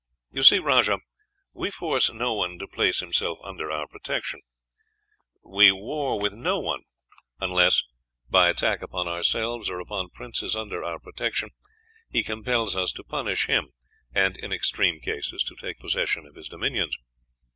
"You see, Rajah, we force no one to place himself under our protection; we war with no one unless, by attack upon ourselves or upon princes under our protection, he compels us to punish him, and, in extreme cases, to take possession of his dominions.